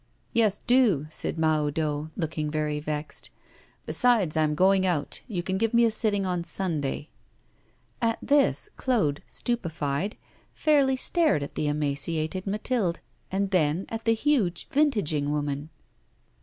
'Yes, do,' said Mahoudeau, looking very vexed. 'Besides, I am going out; you can give me a sitting on Sunday.' At this Claude, stupefied, fairly stared at the emaciated Mathilde, and then at the huge vintaging woman.